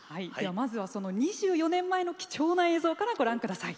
まずは、その２４年前の貴重な映像からご覧ください。